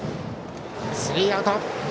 スリーアウト。